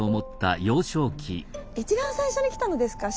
一番最初に来たのですか？